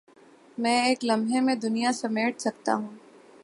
میں ایک لمحے میں دنیا سمیٹ سکتا ہوں